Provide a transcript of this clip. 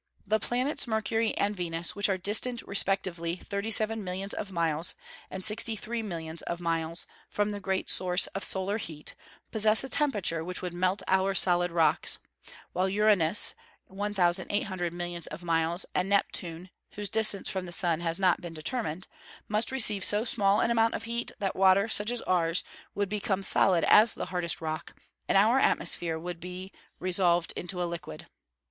The planets Mercury and Venus, which are distant respectively 37 millions of miles, and 63 millions of miles, from the great source of solar heat, possess a temperature which would melt our solid rocks; while Uranus (1,800 millions of miles), and Neptune (whose distance from the sun has not been determined), must receive so small an amount of heat, that water, such as ours, would become as solid as the hardest rock, and our atmosphere would be resolved into a liquid!